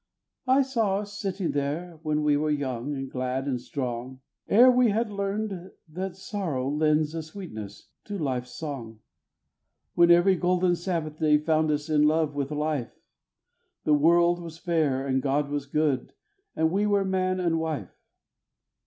I saw us sitting there when we were young, and glad, and strong, Ere we had learned that sorrow lends a sweetness to life's song When every golden Sabbath day found us in love with life The world was fair, and God was good, and we were man and wife.